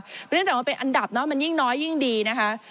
เนื่องจากว่าเป็นอันดับเนอะมันยิ่งน้อยยิ่งดีนะคะ